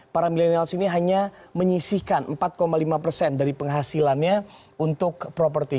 para milenials ini hanya menyisihkan empat lima persen dari penghasilannya untuk properti